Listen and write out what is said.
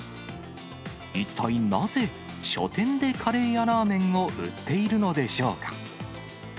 一体なぜ、書店でカレーやラーメンを売っているのでしょうか。